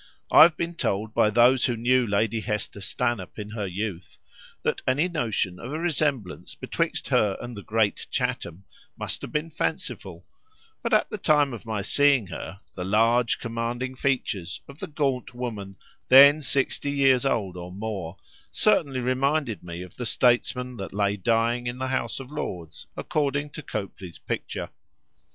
I have been told by those who knew Lady Hester Stanhope in her youth, that any notion of a resemblance betwixt her and the great Chatham must have been fanciful; but at the time of my seeing her, the large commanding features of the gaunt woman, then sixty years old or more, certainly reminded me of the statesman that lay dying in the House of Lords, according to Copley's picture.